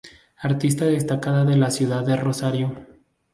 Artista destacada de la ciudad de Rosario.